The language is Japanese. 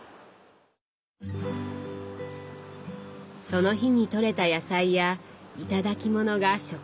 その日にとれた野菜や頂き物が食卓にのぼる。